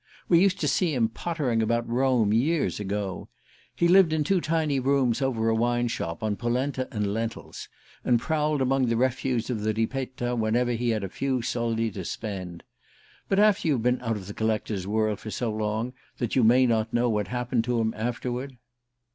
We used to see him pottering about Rome years ago. He lived in two tiny rooms over a wine shop, on polenta and lentils, and prowled among the refuse of the Ripetta whenever he had a few soldi to spend. But you've been out of the collector's world for so long that you may not know what happened to him afterward...